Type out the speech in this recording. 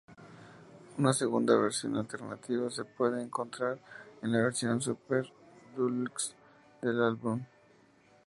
Una segunda versión alternativa se puede encontrar en la versión Super Deluxe del álbum.